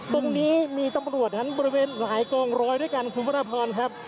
ตรงนี้มีตำรวจทั้งบริเวณหลายกองร้อยด้วยกันคุณพระราพรครับ